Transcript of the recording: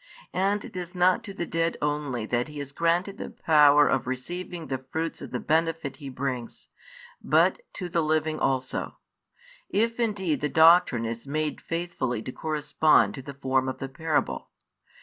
And it is not to the dead only that He has granted the power of receiving the fruits of the benefit He brings, but to the living also; if indeed the doctrine is made faithfully to correspond to the form of the parable.